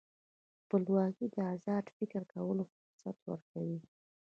خپلواکي د ازاد فکر کولو فرصت ورکوي.